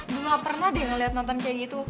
gue gak pernah deh ngeliat nathan kayak gitu